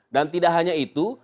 dan tidak hanya itu